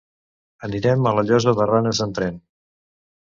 Anirem a la Llosa de Ranes amb tren.